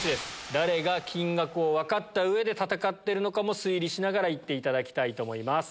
誰が金額を分かった上で戦っているのかも推理しながら行っていただきたいと思います。